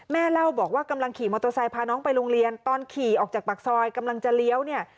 เล่าบอกว่ากำลังขี่มอเตอร์ไซค์พาน้องไปโรงเรียนตอนขี่ออกจากปากซอยกำลังจะเลี้ยวเนี่ย